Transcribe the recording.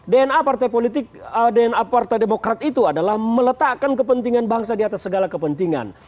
dna partai demokrat itu adalah meletakkan kepentingan bangsa di atas segala kepentingan